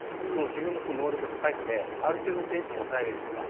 自分の能力が高いのである程度の選手も抑えられるとか。